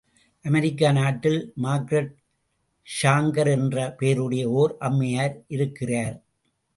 அமெரிக்க நாட்டில் Margaret Sanger என்ற பெயருடைய ஓர் அம்மையார் இருக்கிறார்.